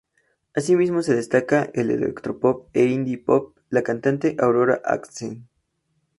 Así mismo se destaca en electropop e indie pop, la cantante Aurora Aksnes.